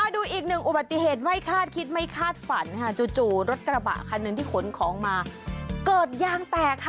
ดูอีกหนึ่งอุบัติเหตุไม่คาดคิดไม่คาดฝันค่ะจู่รถกระบะคันหนึ่งที่ขนของมาเกิดยางแตกค่ะ